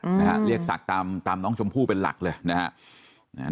อืมนะฮะเรียกศักดิ์ตามตามน้องชมพู่เป็นหลักเลยนะฮะอ่า